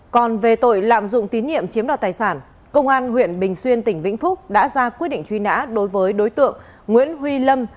còn về tội lạm dụng tín nhiệm chiếm đoạt tài sản công an huyện bình xuyên tỉnh vĩnh phúc đã ra quyết định truy nã đối với đối tượng nguyễn huy lâm